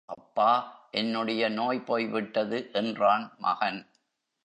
அப்பா என்னுடைய நோய் போய் விட்டது! என்றான் மகன்.